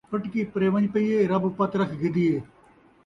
پٹکی پرے ون٘ڄ پئی اے رب پت رکھ گھدی اے